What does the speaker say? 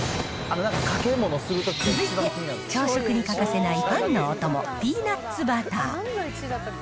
続いて、朝食に欠かせないパンのお供、ピーナッツバター。